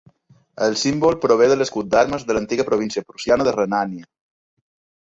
El símbol prové de l'escut d'armes de l'antiga província prussiana de Renània.